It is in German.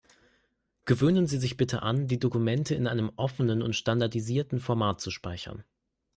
Gewöhnen Sie sich bitte an, die Dokumente in einem offenen und standardisierten Format zu speichern.